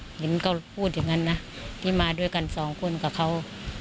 นี่คุณนี่คุณก็พูดถึงนั้นนะที่มาด้วยกันสองคนกับเขา